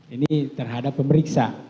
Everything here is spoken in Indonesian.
ini terhadap pemeriksa